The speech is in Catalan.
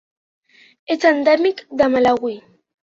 És endèmic de Malawi.